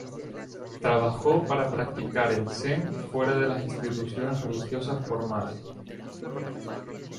Trabajó para practicar el Zen fuera de las instituciones religiosas formales.